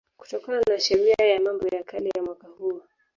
kutokana na Sheria ya Mambo ya Kale ya mwaka huo